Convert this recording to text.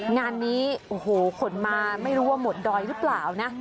งานนี้โอ้โหขนมาไม่รู้ว่าหมดดอยหรือเปล่านะ